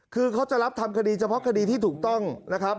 คือเขาจะรับทำคดีเฉพาะคดีที่ถูกต้องนะครับ